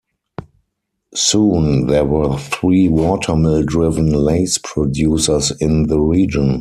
Soon there were three watermill-driven lace producers in the region.